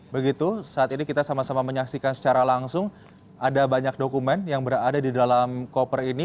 begitu saat ini kita sama sama menyaksikan secara langsung ada banyak dokumen yang berada di dalam koper ini